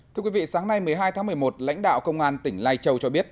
thưa quý vị sáng nay một mươi hai tháng một mươi một lãnh đạo công an tỉnh lai châu cho biết